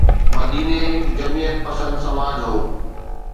مديني هڪ جمعيت پسند سماج هو.